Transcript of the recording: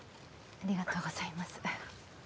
ありがとうございます。